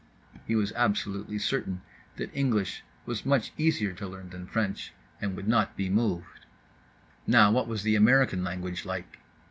He was absolutely certain that English was much easier to learn than French, and would not be moved. Now what was the American language like?